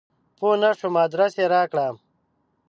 پوه نه شوم ادرس راکړه !